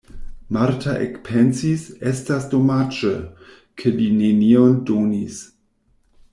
Marta ekpensis: estas domaĝe, ke li nenion donis!